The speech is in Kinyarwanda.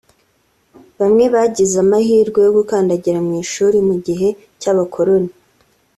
Bamwe bagize amahirwe yo gukandagira mu ishuri mu gihe cy’Abakoloni